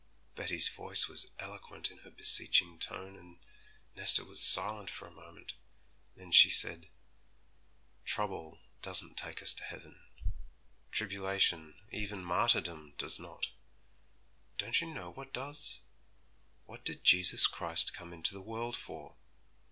Betty's voice was eloquent in her beseeching tone, and Nesta was silent for a moment; then she said, 'Trouble doesn't take us to heaven; tribulation, even martyrdom, does not. Don't you know what does? What did Jesus Christ come into the world for?